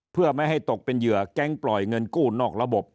เพื่อไม่ให้ตกเป็นเหยื่อแก๊งปล่อยเงินกู้นอกระบบ